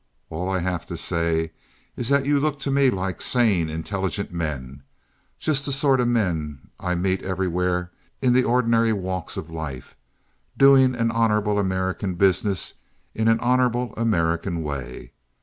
All I have to say is that you look to me like sane, intelligent men—just the sort of men that I meet everywhere in the ordinary walks of life, doing an honorable American business in an honorable American way.